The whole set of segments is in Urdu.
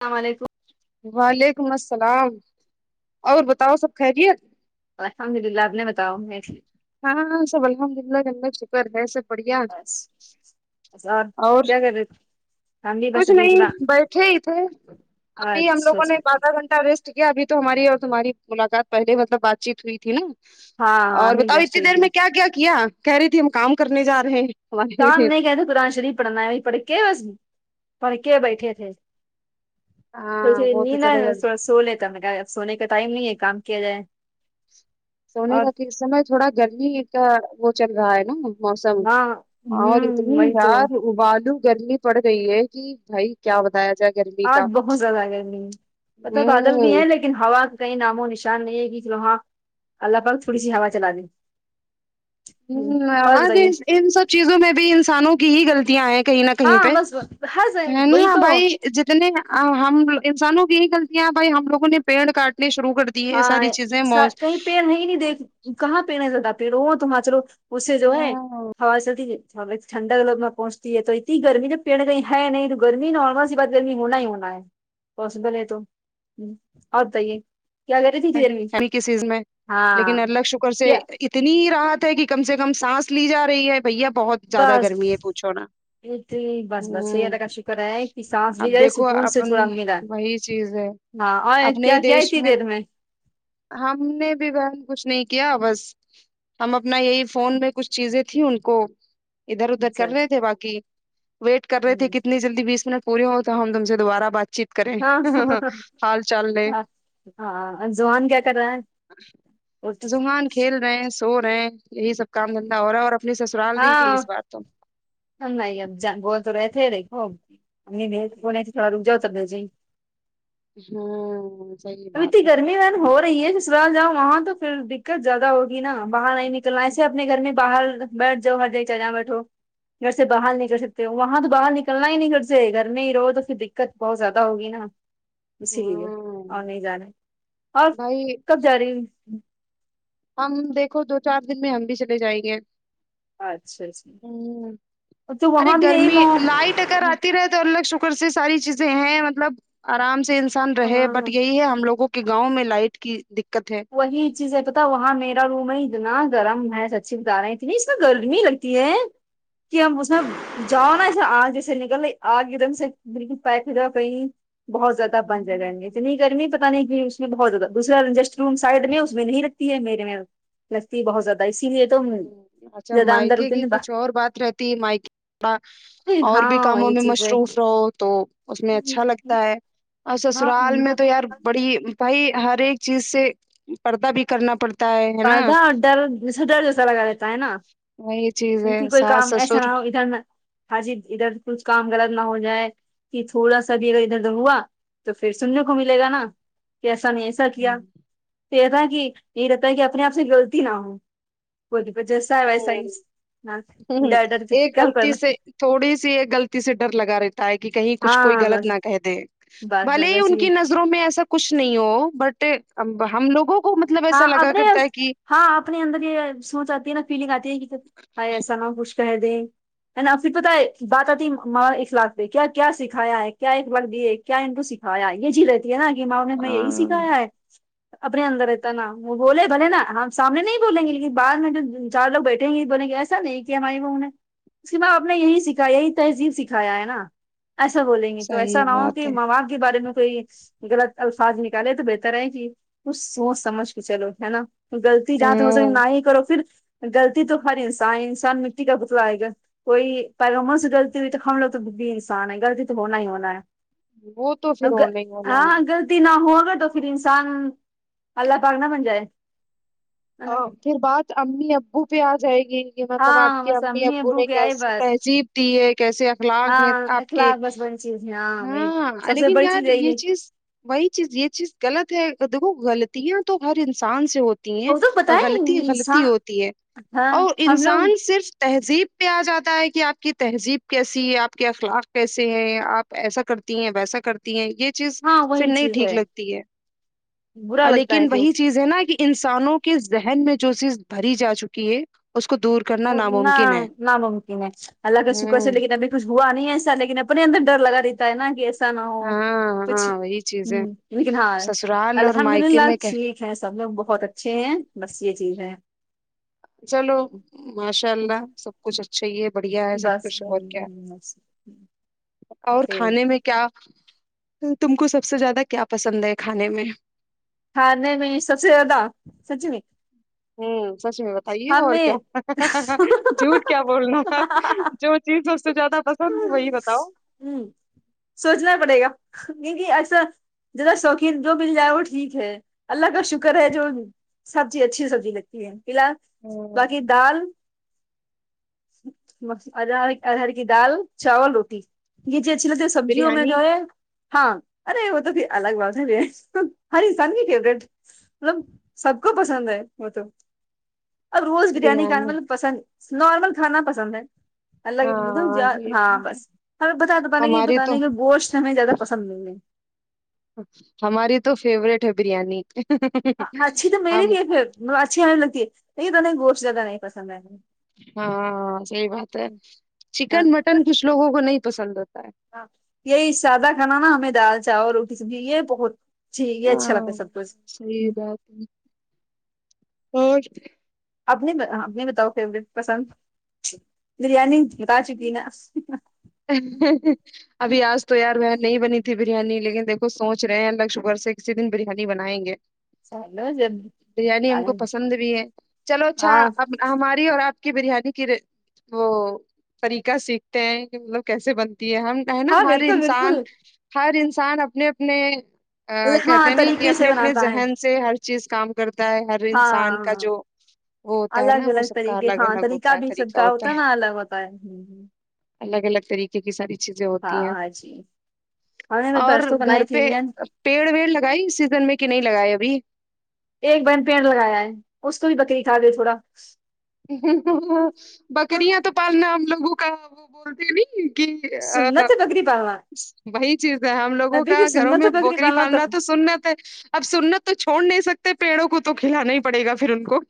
اسلام علیکم وعلیکم السلام اور بتاؤ سب خیریت الحمد اللہ آپ نے بتاؤ میں ہا ں ہاں سب الحمد للہ اللہ کا شکر ہے سب بڑھیا بس بس اور کیا کر رہے تھے؟ ہم بھی بس کچھ ابھی نہیں قرآن بیٹھے ا تھے آج ابھی ہم لوگوں سوچ نے بات ادھا گھنہ ویسٹ کیابھی تو ہماری اور تمہاری ملاقات پہلے مطلب بات چیت ہوئی تھی نا ہاں ہاں اور ابھی بتاؤ جسٹ اتنی ہوئی دیر تھی میں کیا کیا کیا کہہ رہی تھی ہم کام کرنے جارہے ہے کام نہیں کہتے قرآن شریف پڑھنا ہے پڑھ کے بس پڑھ کے بیٹھے تھے کی ہاں سوچے وہ تو نیند چلو ارہی سو لیتے ہیں سونے کا ٹائم نہیں ہے کام کیا جائے سونے اور کا کہ سمے تھوڑا گرمی کا وہ چل رہا ہے نا موسم ہاں اور ہوں اتی وہی تو رار والو گرمی پڑ گئی ہے کہ بھائی کیا بتایا جائے گرمی اج کا بہت زیاد گرمی ہے مطلب بادل بھی ہوں ہے لیک ہوا کا کئی ناموں نشان نہیں ہے کہ وہاں اللہ پاک تھوڑی سی ہوا چلا د ہم اج بتائیے ان ان سب چیزوں میں بھی انسانوں کی ہی غلطیاں ہیں کہیں نہ کہیں ہاں پہ بس ہر سے- نہیں وہی نا تو بھائی جتنے ہم انسانوں کی یہ غلطیاں بھائی ہم لوگوں نے پیڑ کاٹنے شروع کر دی ہاں سا کہیں پر نہیں دیکھ کہاں پیڑ نظر آیتہ ہے لو تم ا چلو اس سے جو ہے ہوا چلتی ٹھنڈے لوگ میں پنتی ہے تو اتنی گرمی جب پیڑ کہیں ہے نہیں تو گرمی نارمل سی بات گرمی ہونا ہی ہونا ہے پاسبل ہے تو اور بتائیے کیا کر رہی تھی دیر میں ہلکی سیز میں لیکن ہاں اللہ شکر سے کیا اتنی رات ہے کہ کم سے کم سانس لی جا رہی ہے بھیا بہت زیادہ گرمی ہے پوچھو نا اتنی بس بس یہی ہوں اللہ کا شکر ہے کہ سانس لی اب جائے دیکھو سکون سے اپن تھوڑا ملا وہی چیز ہے ہاں اور اپنے کیا ہی کیا دیش اتنی دیر میں ہم نے بھی بہن کچھ نہیں کیا بس ہم اپنا یہی فون میں کچھ چیزیں تھیں ان کو ادھر ادھر اچھا کر رہے اچھا تھے باقی ویٹ کر رہے تھے کتنی جلدی بیس منٹ پورے ہو تو ہم تم سے دوبارہ بات چیت کریں حال چال لے ہاں ہاں زوہان کہ زوہان کھیل رہے ہیں سو رہے ہیں یہی سب کام دھندا ہو رہا ہے اور اپنی سسرال نہیں گئی ہاں اس بار تو ہم نہیں اب جان بول تو رہے تے رہے کہو اتنی دیر تھوڑی روک جاؤ سمجھ ہی نہیں ہمم اب اتنی گرمی بہن ہو رہی ہے سسرال جاؤ وہاں تو پھر دقت زیادہ ہوگی ہنا باہر نہیں نکلنا ایسے اپنے گھر میں باہر بیٹھ جاؤ ہر ہر جگہ بیٹھو گھر سے باہر نکل سکتے ہو وہاں تو باہر نکلنا ہی نہیں گھر سے گھر میں ہی رہو تو پھر دقت بہت زیادہ ہوگی نا اسی لیے ہاں اور نہیں جانا اور بھائی کب جا رہی ہم دیکھو دو چار دن میں ہم بھی چلے جائیں گے اچھا اچھا ہم تو ارے وہاں بھی یہی گرمی لائٹ کر اتی رہے تو اللہ شکر سے ساری چیزیں ہیں مطلب ارام سے انسان رہے بٹ ہاں یہی ہے ہم لوگوں کے گاؤں میں لائٹ کی دقت ہے وہی چیز ہے پتا وہاں میرا روم ہے اتنا گرم ہے سچی بتا رہے ہیں اتنی اس میں گرمی لگتی ہے کہ ہم اس میں جاؤ نا اسے اگ جیسے نکل اگ ایک دم سے بالکل پیک جگہ گی بہت زیادہ بند جگہ اتنی گرمی پتا نہیں کہ اس میں بہت زیاہ دوسرا اڈجسٹ روم سائڈ میں اس میں نہیں رکھتی ہے میرے میں لگتی ہے بہت زیادہ اسی لیے تو اچھا زیادہ اندر مائکے ہوتے کی نہیں کچھ اور بات رہتی ہے مائکے با باہر۔ اور بھی ہاں کاموں یہ میں چیز ہے مصروف رہو تو اس میں اچھا لگتا ہے اور ہاں سسرال میں تو یار بڑی بھائی ہر ایک چیز سے پردہ بھی کرنا پڑتا ہے ہے نا پردا اور ڈر جیسے ڈر جسا لگا رہتا ہے نہ وہی چیز ہے ک کوئی ساس کام ایسا نہ سسر ہو ادھر نہ ہاں جی ادھر کچھ کام غلط نہ ہو جائے کہ تھوڑا سا بھی اگر ادھر اھر ہوا تو پھر سننے کو ملے گا نا کہ ایسا نہیں ایسا ایا کیا ہوں تو رہتا ہے کہ یہ رہتا ہے کہ اپنے اپ سے غلطی نہ ہو بولی پھیر جسا ہےوسا ہے ہوں سائنس ہا ہوں ہوں ڈر ڈر کے ایک کام غلطی کرنا سے تھوڑی سی یہ غلطی سے ڈر لگا رہی ہے کہ کہیں کچھ کوئی ہاں غلط بس نہ کہہ دے بس بھلے بس ہی ویسے ان کی نظر میں ایسا کچھ نہیں ہو بٹ ہم لوگوں کو مطلب ایسا ہاں لگا اپنے کرتا ہے کہ ہاں اپنے اندر یہ سوچ اتی ہے نا فیلنگ اتی ہے کہ ایسا نہ خوش کہ دے ہے نا پھر پتا ہے بات اتی ہے ماں اخلاق پہ کیا کیا سکھایا ہے کیا اخلاق دی کیا ان کو سکھایا ہے یہ جی رہتی ہے نا کہ ماں نے ہمیں یہی ہاں سکھایا ہے اپنے اندر رہ تنا وہ بولے بھلے نا ہم سامنے نہیں بولیں گے لیکن بعد میں جو چار لوگ بیٹھیں گے بولیں گے ایسا نہیں ہماری ماوں نے اس کی ماں اپ نے یہی سکھایا یہی تہذیب سکھایا ہے نا ایسا بولیں گے تو ایسا صحیح نہ ہو بات کہ ہے ماں باپ کے بارے میں کوئی غلط الفاظ نکالے تو بہتر ہے جی کوچ سوچ سمجھ کے چلو ہے نا غلطی جہ تو ہو سکے ہوں نہ ہی کرو پھر غلطی تو ہر انسان انسان مٹی کا پتلا ائے گا کوئی پیغمبروں سے غلطی ہوئی تو ہم لوگ تو بھی انسان ہے غلطی تو ہونا ہی ہونا ہے وہ تو پھر اب ہونا ہی ہونا ہے ہاں غلطی نہ ہوگا تو پھر انسان اللہ پاک نہ بن جائیں ا پھر بات امی ابو پہ آجائے گی کہ مطلب آپ ہاں کے بس امی ابو نے کی آئی کیسی بات تہذیب دی ہے کیسے اخلاق ہے ہاں آپ کہ اخلاق بس بڑی چیز ہے وہی ہاں سب سے لیکن بڑی چیز یار یہی یہ ہے چیز وہی چیز یہ چیز غلط ہےگر دیکو غلطیاں تو ہر انسان سے ہوتی ہیں اور تو بتائیں غلطی غلطی انسان ہوتی ہے ہاں اور ہم لوگ انسان صرف تہذیب پہ آجاتا ہے کہ اپ کی تہذیب کیسی ہے اپ کے اخلاق کیسے ہیں آپ ایسا کرتی ہیں ویسا کر ہیں یہ چیز ہاں پھر وہی نہیں چیز ٹھیک لگتی ہے برا لگتا لیکن ہے وہی چیز ہے نا کہ انسانوں کے ذہن میں جو چیز بھری جا چکی ہے اس کو دور کرنا نہ ناممکن ہے ناممکن ہے اللہ کا شکر سے ہوں لیکن ابھی بس ہوا نہیں ہے ایسا لیکن اپنے اندر ڈر لگا رہتا ہے نا کے نہ ہو ہاں کچھ ہاں وہی چیز ہے لیکن ہاں سسرال اور الحمد مائکے للہ میں ٹھیک ہے سب لوگ بہت اچھے ہیں بس یہ چیز ہے چلو ماشاء اللہ سب سب کچھ اچھا ہی ہے بڑھیا ہے سب بس کچھ اور کیا ہوں، بس ہے اور ٹھیک کھانے میں کیا تم کو سب سے زیادہ کیا پسند ہے کھانے میں کھانے میں سب سے زیادہ کچھ نہیں ہوں سچ میں بتائیے اور کیا جھوٹ کیا بولنا ہوں جو چیز سب سے زیادہ پا وہی بتاو سوچنا پڑے گا کیونکہ ایسا جرا شوقین جو مل جائے وہ ٹھیک ہے اللہ کا شکر ہے جو سبزی اچھی سبزی لگتی ہے فی الال ہوں، باقی دال دار ادار کی دال چاول روٹی یہ چیز اچھی لگتی سبزیوں میں جو بریانی ہے ہاں ارے وہ تو الگ بات ہے بھی ہے ہر انسان کی فیورٹ مطلب سب کو پسند ہے وہ تو اب روز بریانی کانا مطلب پسند نارمل کھانا پسند ہے اللہ ہاں یہ ہاں بات ہے بس ہمیں بتا تو کہ یہ ہماری تو بتانے گوشت ہمیں زیادہ پسند نہیں ہے ہماری تو فیوروریٹ ہے بریانی ہم م اچھی ہمیں لگتی ہے یہ تو نہیں گوشت زیادہ نہیں پسند ہے ہاں صحیح بات ہے ہاں چکن مٹن کچھ لوگوں کو نہیں پسند ہوتا ہے ہاں یہی سادہ کھانا نا ہمیں دال چاول روٹی سبزی یہ بہت جی یہ اچھا ہاں لگتا ہے سب کچھ ہے [unintelligible] اور اپنی بتاؤ فیورٹ پسند بریانی بتا چکی نا آہا ہا ابھی آج تو یار وہ نہیں بنی تھی بریانی لیکن دیکھو سوچ رہے ہیں فرصت سے کسی دن بریانی بنائیں گے چلو جب بریانی ہم کو پسند بھی ہے چلو اچھا ہاں اب ہماری اور آپ کی بریانی کی رے وہ طریقہ سیکھتے ہیں مطلب کیسے بنتی ہے ہم ہے نا ہاں ہر بالکل انسان بالکل ہر انسان اپنے اپنے آں ہاں کہتے ہیں نہیں کہ طریقے اپنے سے اپنے بناتا ہے ذہن سے ہر چیز کام کرتا ہے ہر ہاں انسان کا ہاں جو وہ ہوتا ہے الگ نا وہ الگ سب کا طریقے ہاں الگ ہوتا طریقہ ہے بھی سب کا ہوتا ہے نا الگ ہوتا ہے الگ الگ طریقے کی ساری چیزیں ہوتی ہاں ہیں ہاں جی ہم نے بھی اور پرسوں گھر بنائی تھی پہ بریانی، پیڑ ویڑ لگائی سیزن میں کہ نہیں لگائے ابھی ایک بہن پیڑ لگایا ہے اس کو بھی بکری کھا گی تھوڑا ہ بکریاں تو پالنا ہم لوگوں کا وہ بولتے ہے نہیں کہ آ میری با وہی چیز ہے ہم لوگوں کا گھروں میں بکری پالنا تو سنت ہے اب سنت تو چھوڑ نہیں سکتے پیڑوں کو تو کھلانا ہی پڑے گا پھر ان کو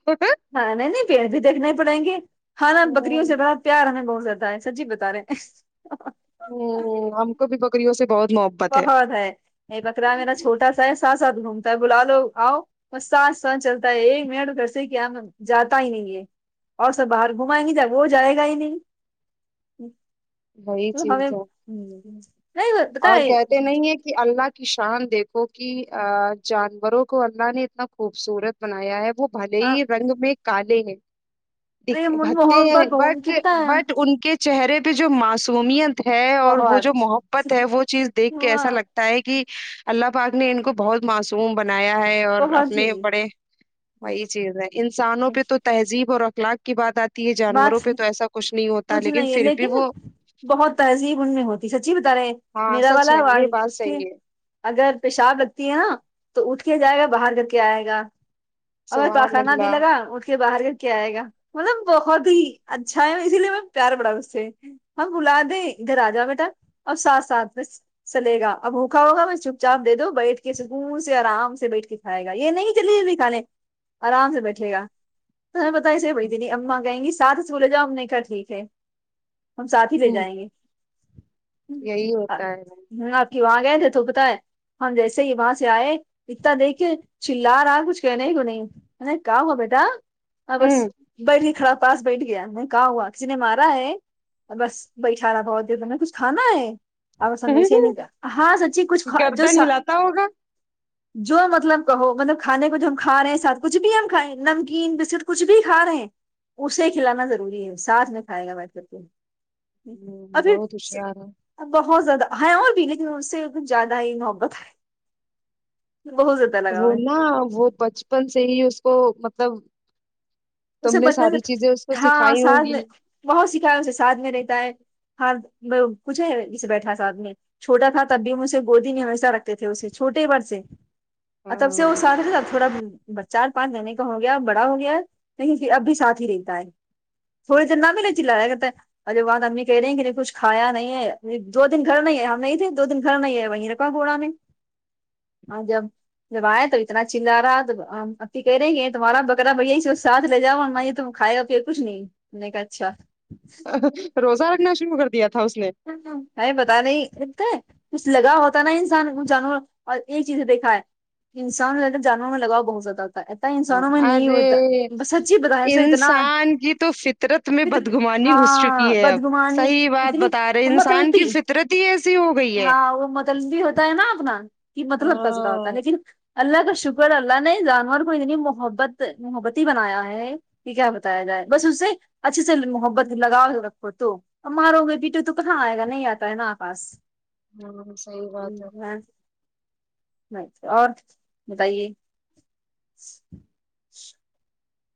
ہاں نہیں نہیں پیڑ بھی دیکھنا ہی پڑیں گے ہاں نہ بکریوں سے ذرا پیار ہمیں بہت زیادہ ہے سچی بتا رہے وہ ہم کو بھی بکریوں سے بہت محبت بہت ہے ایک بکرا میرا چھوٹا سا ہے ساتھ ساتھ گھومتا ہے بلا لو آؤ بس ساتھ ساتھ چلتا ہے ایک منٹ گھر سے کیا جاتا ہی نہیں ہے اور سب باہر گھم آئیں گے جب وہ جائے گا ہی نہیں وہی تو چیز ہے نہیں پتا اور ہے کہتے نہیں ہے کہ اللہ کی شان دیکھو کہ جانوروں کو اللہ نے اتنا خوبصورت بنایا ہے وہ بھلے ہی ارے رنگ میں کالے ہیں د یکھے من پاتے محبت ان بٹ کی پتا ہے بٹ ان کے چہرے پہ جو معصومیت ہے اور وہ جو بہت محبت ہے وہ چیز دیکھ کے ایسا لگتا کیاہے کہ اللہ پاک نے ان کو بہت معصوم بنایا ہے اور بہت اپنے ہی بڑے وہی چیز ہے انسانوں پہ تو تہذیب اور اخلاق کی بات آتی ہے جانوروں بات پہ تو ایسا کچھ نہیں ہوتا کچھ لیکن نہیں ہے پھر بھی وہ بہت تہذیب ان میں ہوتی سچی بتا رہے ہاں میرا سچ ہے والا وا یہ بات اس کے صحیح ہے اگر پیشاب لگتی ہے نا تو اٹھ کے جائے گا باہر کر کے آئے گا اور سبحان پاخانہ بھی اللہ لگا اٹھ کے باہر کر کے آئے گا مطلب بہت ہی اچھا ہے اسی لیے مجھے پیار بڑا اس سے ہم بلا دیں ادھر آ جاؤ بیٹا اور ساتھ ساتھ بس چلے گا اب بھوکھا ہوگا میں چپ چاپ دے دو بیٹھ کے سکون سے آرام سے بیٹھ کے کھائے گا یہ نہیں کہ لیے ابھی کھالے آرام سے بیٹھے گا تمہیں پتہ اسے کوئی بھی نہیں اماں کہیں گی ساتھ اسکولے جاؤ ہم نے کہا ٹھیک ہے ہم ساتھ ہی لے ہوں جائیں گے یہی ہوتا ہے ہ آپ کی وہاں گئے تھے تو پت ہے ہم جیسے ہی وہاں سے آئے اتنا دیکھے چلا رہا کچھ کہنے کو نہیں ا کا ہوا بیٹا ہ بس ہوں بڑ ہی خراب پاس بیٹھ گیا میں کہاں ہوا کسی نے مارا ہے اور بس بیشارا بہت دیر با کچھ کھانا ہے اور سگ نہیں ہاں سچی کچھ جو س ناقابل سماعت جو مطلب کہو مطلب کھانے کو جو ہم کھا رہے ہیں ساتھ کچھ بھی ہم کھائےیں نمکین بسکٹ کچھ بھی کھا رہے ہیں اسے کھلانا ضروری ہے ساتھ میں کھائے گا بیٹھ کے فر ہ بہت ہوشیار ہے ابھر بہت زیادہ ہے اور بھی گ تھی مج سے کچھ زیادہ ہی محبت ہے بہت زیادہ لگاؤ وہ ہے نا وہ بچپن سے ہی اس کو مطلب تم اسے نے بچپن ساری چیزیں اس کو سے ہاں سکھائی ساتھ ہوگی میں بہت سکھایا اسے ساتھ میں رہتا ہے ہاں کچھ ہے جسے بیٹھا ساتھ میں چھوٹا تھا تب بھی ہم اسے گودی نہیں ہمیشہ رکھتے تھے اسے چھوٹے ہی بھر سے تب سے وہ ہاں ساتھ تھوڑا چار پانچ مہینے کا ہو گیا بڑا ہو گیا لیکن پھر اب بھی ساتھ ہی رہتا ہے تھوڑے دیر نہ بھی نہیں چلا رہیا کہتا ارے بات ادمی کہہ رہی ہیں کہ نہیں کچھ کھایا نہیں ہے دو دن گھر نہیں ہے ہم نہیں تھے دو دن گھر نہیں ہے وہیں رکھوا گوڑا نے ناقابل سماعت ہاں جب جب آئے تو اتنا چلا رہا تو ہم ایپی کہہ رہے ہیںے تمہارا بکرا بھیا چ ساتھ لے جاؤ مائیے تو کایا پییا کچھ نہیں ہم نے کہا اچھا روزہ رکھنا شروع کر دیا تھا اس نے اے بتا نہیں لتا ہے کچھ لگا ہوتا نا انسان ان جانور اور ایک چیز دیکھا ہے انسانوں جانوروں میں لگؤ بہت زیادہ رہتا ہے انسانوں میں نہیں ارے ہوتا ب سچی بت رہ سے اتنا انسان کی تو فطرت میں پ بدگمانی گھس چکی ہاں ہے بد اب گمانی صحیح بات اتنی بتا رہے انسان کی مطلبی فطرت ہی ایسی ہو گئی ہے ہاں وہ مطلبی ہوتا ہے نا اپنا کہ مطلب کزرا ہوتا ہاں ہے لیکن اللہ کا شکر اللہ نے جانور کو اتنی محبت محبتی بنایا ہے کہ کیا بتایا جائے بس اسے اچھے سے محبت لگا رکھو تو ا مارو گے بیٹے تو اں آئے گا نہیں آتا ہے نا آ پاس ہاں صحیح بات ہے ب اور بتائیے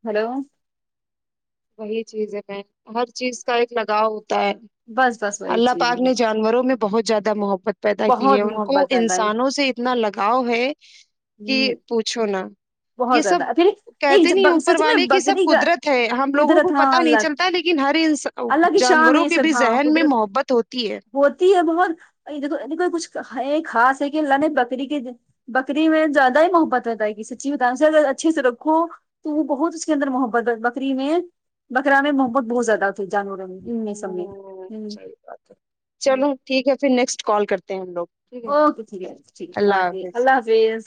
ہلو وہی چیز ہے ہر چیز کا ایک لگاؤ ہوتا ہے بس بس وہی اللہ چیز پاک نے جانوروں میں بہت زیادہ محبت پیدا کی ہے بہت ان کو محبت ہے بھائی انسانوں سے اتنا لگاؤ ہے کہ ہ پوچھو نا یہ بہت سب زیادہ پھر کہتے ایک نہیں اوپر سچ میں والے کی سب بکری کا قدرت ہے ہم لوگوں قدرت کو ہاں پتا نہیں اللہ چلتا لیکن ہر ان اللہ کی شان جانوروں ہے کے بھی سب ہاں ذہن میں قدرت محبت ہوتی ہے ہوتی ہے بہت دیک کو کچھ ہے خاص ہے کہ اللہ نے بکری کے بکری میں زیادہ ہی محبت رہتا ہے کسی ا بتاائ اگر اچھے سے رکھو تو وہ بہت اس کے اندر محبت ب بکری میں بکرا میں محبت بہت زیادہ تھی جانوروں میں ان میں سم میں ہوں ہ صحیح بات ہے ہ چلو ٹھیک ہے پھر نیکسٹ کال کرتے ہیں ہم لوگ ٹھیک ہے اوکے ٹھیک ہے ٹھیک ہے اللہ بات حافظ اللہ حافظ